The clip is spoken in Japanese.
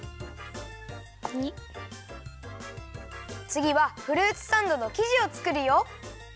つぎはフルーツサンドのきじをつくるよ。